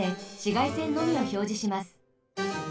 がいせんのみをひょうじします。